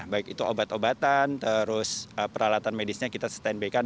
baik itu obat obatan terus peralatan medisnya kita stand by kan